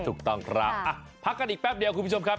ถูกต้องครับพักกันอีกแป๊บเดียวคุณผู้ชมครับ